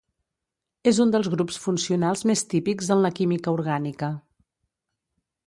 És un dels grups funcionals més típics en la química orgànica.